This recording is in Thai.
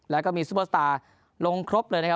แล้วก็มีซูเปอร์สตาร์ลงครบเลยนะครับ